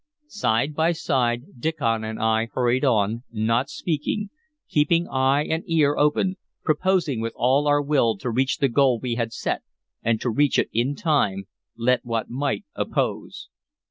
Side by side Diccon and I hurried on, not speaking, keeping eye and ear open, proposing with all our will to reach the goal we had set, and to reach it in time, let what might oppose.